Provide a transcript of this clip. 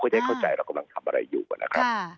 ได้เข้าใจเรากำลังทำอะไรอยู่นะครับ